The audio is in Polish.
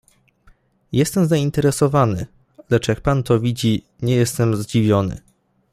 "Jestem zainteresowany, lecz jak pan to widzi, nie jestem zdziwiony."